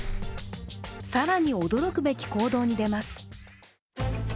更に驚くべき行動に出ます。